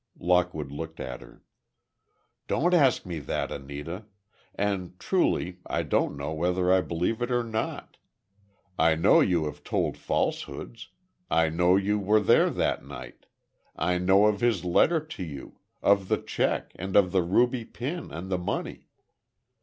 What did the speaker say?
Lockwood looked at her. "Don't ask me that, Anita. And, truly, I don't know whether I believe it or not. I know you have told falsehoods, I know you were there that night, I know of his letter to you, of the check and of the ruby pin and the money.